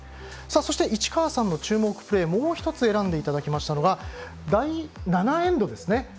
そして、市川さんの注目プレー、もう１つ選んでいただきましたのが第７エンドですね。